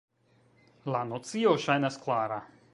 La nocio ŝajnas klara“.